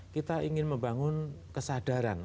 kita ingin membangun kesadaran